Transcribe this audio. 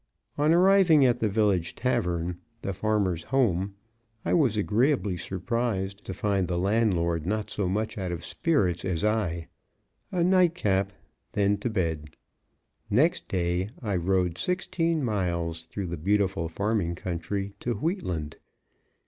On arriving at the village tavern, "The Farmers' Home," I was agreeably surprised to find the landlord not so much out of spirits as I. A "night cap," then to bed. Next day I rode sixteen miles, through the beautiful farming country to Wheatland.